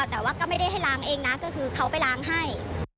แต่ว่าก็ไม่ได้ให้ล้างเองนะก็คือเขาไปล้างให้